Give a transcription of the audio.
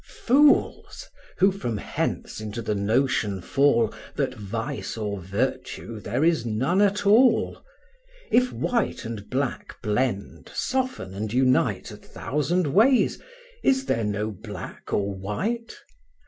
Fools! who from hence into the notion fall, That vice or virtue there is none at all. If white and black blend, soften, and unite A thousand ways, is there no black or white?